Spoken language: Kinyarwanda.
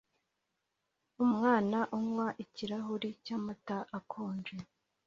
Umwana unywa ikirahuri cyamata akonje